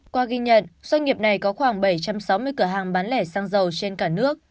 qua ghi nhận doanh nghiệp này có khoảng bảy trăm sáu mươi cửa hàng bán lẻ xăng dầu trên cả nước